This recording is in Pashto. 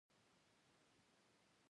ځغاسته د ژوند خوږ خوند لري